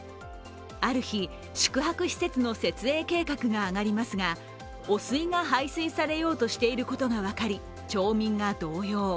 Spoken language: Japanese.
ある日、宿泊施設の設営計画があがりますが汚水が排水されようとしていることが分かり町民が動揺。